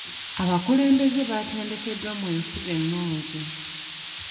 Abakulembeze baatendekeddwa mu enfuga ennungi